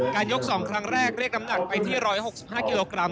ยก๒ครั้งแรกเรียกน้ำหนักไปที่๑๖๕กิโลกรัม